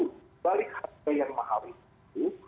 dibalik harga yang mahal itu